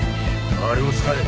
あれを使え。